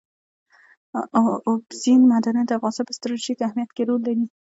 اوبزین معدنونه د افغانستان په ستراتیژیک اهمیت کې رول لري.